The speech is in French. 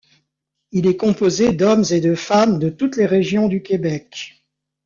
Il est composé d’hommes et de femmes de toutes les régions du Québec.